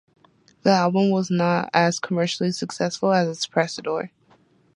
The album was not as commercially successful as its predecessor.